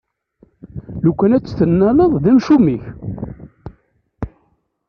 Lukan ad tt-tennaleḍ, d amcum-ik!